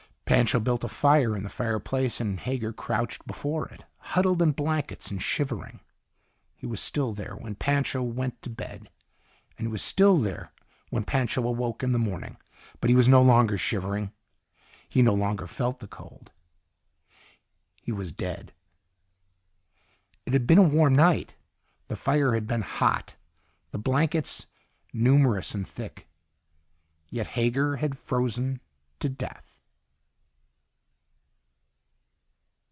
Pancho built a fire in the fireplace, and Hager crouched before it, huddled in blankets and shivering. He was still there when Pancho went to bed. And he was still there when Pancho awoke in the morning. But he was no longer shivering. He no longer felt the cold. He was dead. It had been a warm night. The fire had been, hot, the blankets numerous and thick. Yet Hager had frozen to death.